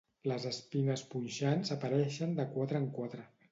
Les espines punxants apareixen de quatre en quatre.